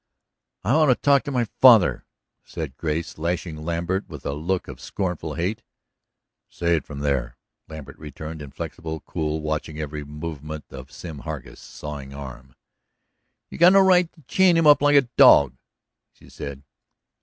"I want to talk to my father," said Grace, lashing Lambert with a look of scornful hate. "Say it from there," Lambert returned, inflexible, cool; watching every movement of Sim Hargus' sawing arm. "You've got no right to chain him up like a dog!" she said.